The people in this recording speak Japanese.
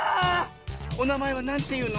おなまえはなんていうの？